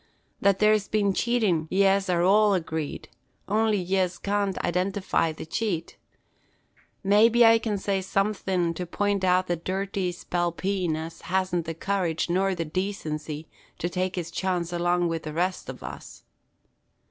That there's been chatin' yez are all agreed; only yez can't identify the chate. Maybe I can say somethin' to point out the dirty spalpeen as hasn't the courage nor the dacency to take his chance along wid the rest ov us."